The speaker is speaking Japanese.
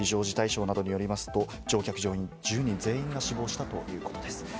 ロシア非常事態省などによりますと、乗客・乗員１０人全員が死亡したということです。